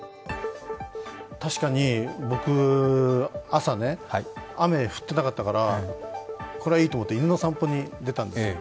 確かに僕、朝ね、雨降ってなかったからこれはいいと思って、犬の散歩に出たんですよ。